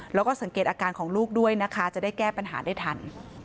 แล้วก็สังเกตอาการของลูกด้วยนะคะจะได้แก้ปัญหาได้ทัน